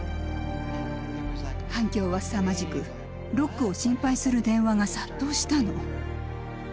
反響はすさまじくロックを心配する電話が殺到したの。